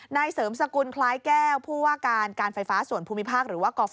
ในเสริมสกุลคล้ายแก้วผู้ว่าการการไฟฟ้าสวนภูมิภาค